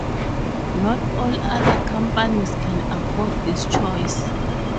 Not all other companies can afford this choice.